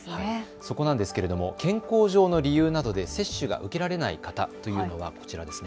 そこなんですけれども健康上の理由などで接種が受けられない方というのがこちらですね。